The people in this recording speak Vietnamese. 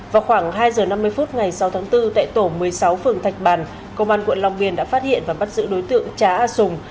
vào khoảng hai giờ năm mươi phút ngày sáu tháng bốn tại tổ một mươi sáu phường thạch bàn công an quận long biên đã phát hiện và bắt giữ đối tượng trá a sùng